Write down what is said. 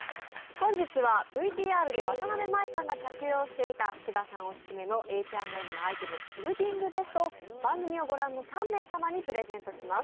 本日はＶＴＲでわたなべ麻衣さんが着用していた福田さんオススメのＨ＆Ｍのアイテム、キルティングベストを番組を御覧の３名様にプレゼントします。